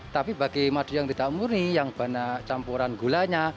tapi bagi madu yang tidak murni yang campuran gulanya